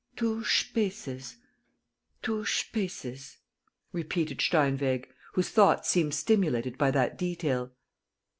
..." "Two spaces, two spaces," repeated Steinweg, whose thoughts seemed stimulated by that detail.